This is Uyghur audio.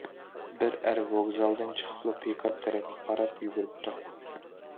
بىر ئەر ۋوگزالدىن چىقىپلا پىكاپ تەرەپكە قاراپ يۈگۈرۈپتۇ.